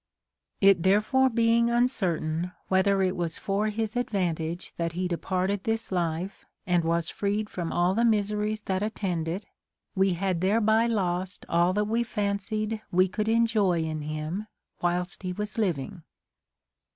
It therefore being uncertain whether it was for his ad vantage that he departed this life and Avas freed from all the miseries that attend it, we had thereby lost all that we fancied we could enjoy in him Avhilst he was living.